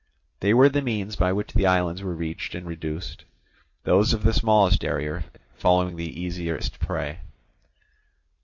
They were the means by which the islands were reached and reduced, those of the smallest area falling the easiest prey.